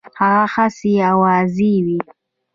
هغه هسي آوازې وي.